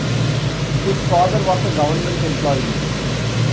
His father was a government employee.